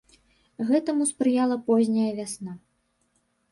Гэтаму спрыяла позняя вясна.